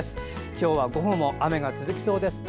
今日は午後も雨が続きそうですね。